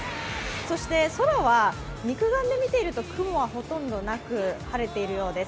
そして空は、肉眼で見ていると雲はほとんどなく、晴れているようです。